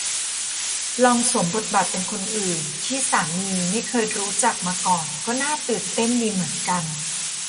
ลองสวมบทบาทเป็นคนอื่นที่สามีไม่เคยรู้จักมาก่อนก็น่าตื่นเต้นดีเหมือนกัน